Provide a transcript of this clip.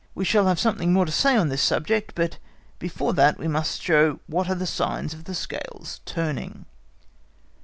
We shall have something more to say on this subject, but before that we must show what are the signs of the scales turning.